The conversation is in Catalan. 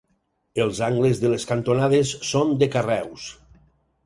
Els angles de les cantonades són de carreus.